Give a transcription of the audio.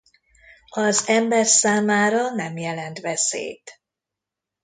Az ember számára nem jelent veszélyt.